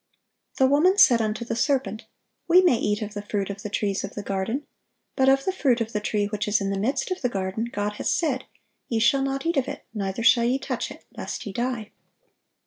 "The woman said unto the serpent, We may eat of the fruit of the trees of the garden: but of the fruit of the tree which is in the midst of the garden, God hath said, Ye shall not eat of it, neither shall ye touch it, lest ye die.